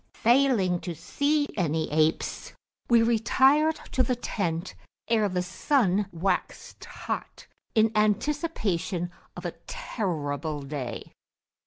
Failing to see any apes, we retired to the tent ere the sun waxed hot, in anticipation of a terrible day.